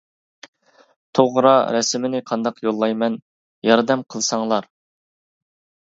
توغرا رەسىمىنى قانداق يوللايمەن؟ ياردەم قىلساڭلار.